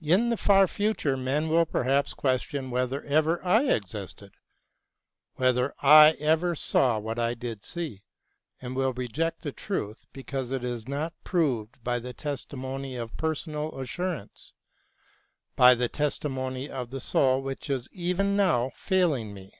In the far future men will perhaps question whether ever I existed, whether I ever saw what I did see, and will reject the truth because it is not proved by the testimony of personal assurance, by the testimony of the soul which is even now failing me."